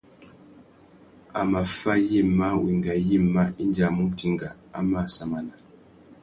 A mà fá yïmá, wenga yïmá indi a mù dinga, a mù assamana.